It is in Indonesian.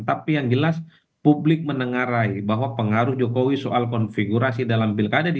tapi yang jelas publik menengarai bahwa pengaruh jokowi soal konfigurasi dalam pilkada di dua ribu dua puluh empat